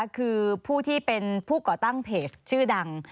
คือผู้ที่เป็นผู้ก่อตั้งเพจชื่อดัง